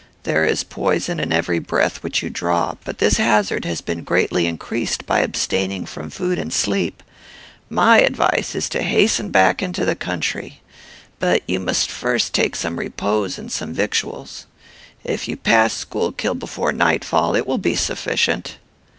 There is poison in every breath which you draw, but this hazard has been greatly increased by abstaining from food and sleep. My advice is to hasten back into the country; but you must first take some repose and some victuals. If you pass Schuylkill before nightfall, it will be sufficient."